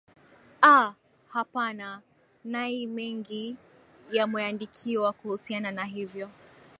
aa hapana nayii mengi yamweandikwa kuhusiana na hivyo